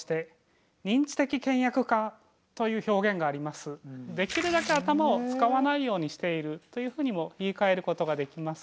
結局私たち私たちのできるだけ頭を使わないようにしているというふうにも言いかえることができます。